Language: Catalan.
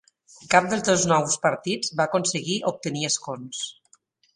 Cap dels dos nous partits va aconseguir obtenir escons.